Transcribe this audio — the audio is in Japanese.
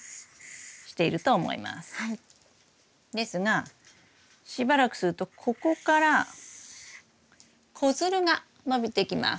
ですがしばらくするとここから子づるが伸びてきます。